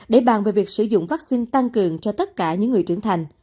để bàn về việc sử dụng vaccine tăng cường